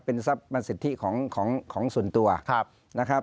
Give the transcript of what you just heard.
เป็นสัตว์สิทธิ์ของส่วนตัวนะครับ